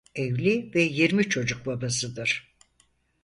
Evli ve yirmi çocuk babasıdır.